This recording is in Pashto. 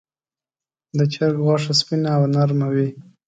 د چرګ غوښه سپینه او نرمه وي.